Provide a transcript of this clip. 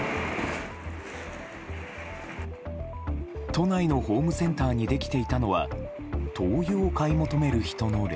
都内のホームセンターにできていたのは灯油を買い求める人の列。